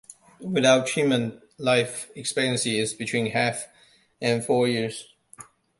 Without treatment life expectancy is between half and four years.